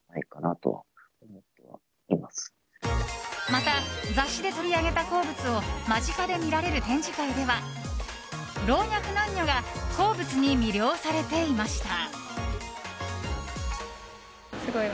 また、雑誌で取り上げた鉱物を間近で見られる展示会では老若男女が鉱物に魅了されていました。